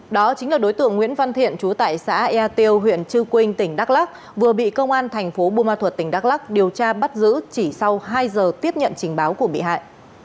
đó chính là đối tượng nguyễn văn thiện chú tại xã ea tiêu huyện trư quynh tỉnh đắk lắc vừa bị công an thành phố bùa ma thuật tỉnh đắk lắc điều tra bắt giữ chỉ sau hai giờ tiếp nhận trình báo của bị hại